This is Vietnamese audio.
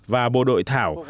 và bộ đội thảo